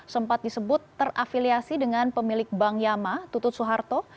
sempat disebut terafiliasi dengan pemilik bank yama tutut suharto